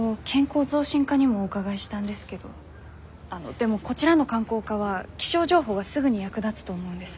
でもこちらの観光課は気象情報がすぐに役立つと思うんです。